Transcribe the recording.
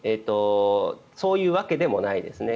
そういうわけでもないですね。